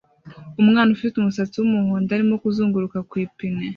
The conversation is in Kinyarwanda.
Umwana ufite umusatsi wumuhondo arimo kuzunguruka ku ipine